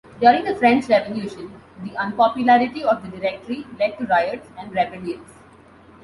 During the French Revolution, the unpopularity of the Directory led to riots and rebellions.